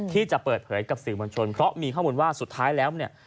ที่จะเปิดเผยกับสื่อมวลชนเพราะมีข้อมูลว่าสุดท้ายแล้วเนี่ย